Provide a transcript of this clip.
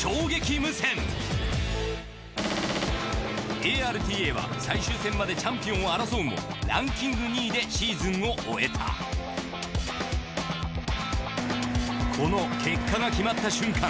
ＡＲＴＡは最終戦までチャンピオンを争うもランキング２位でシーズンを終えたこの結果が決まった瞬間